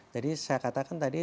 jadi saya katakan tadi